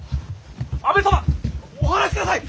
安部様お離しください！